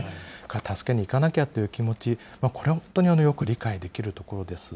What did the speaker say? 助けに行かなきゃって気持ち、これは本当によく理解できるところです。